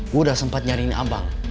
gue udah sempat nyariin abang